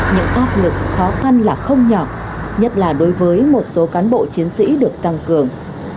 những áp lực khó khăn là không nhỏ nhất là đối với một số cán bộ chiến sĩ được tăng cường